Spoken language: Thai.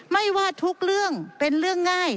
ไม่ว่าทุกเรื่องเป็นเรื่องง่าย